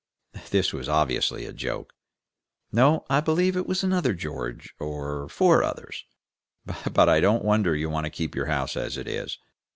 This was obviously a joke. "No, I believe it was another George, or four others. But I don't wonder you want to keep your house as it is.